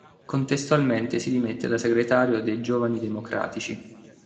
Contestualmente si dimette da segretario dei Giovani Democratici.